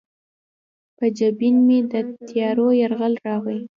په جبین مې د تیارو یرغل راغلی